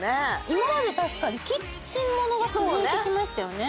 今まで確かキッチンものが続いてきましたよね。